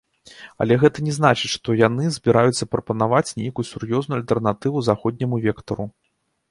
Але гэта не значыць, што яны збіраюцца прапанаваць нейкую сур'ёзную альтэрнатыву заходняму вектару.